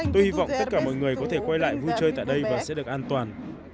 tôi hy vọng tất cả mọi người có thể quay lại vui chơi tại đây và sẽ được an toàn